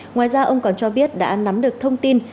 ngoài ra ông còn cho biết đã nắm được thông tin